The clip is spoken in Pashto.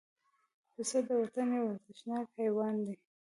پسه د وطن یو ارزښتناک حیوان دی.